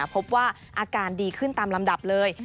พบว่าอาการดีขึ้นตามลำดับเลย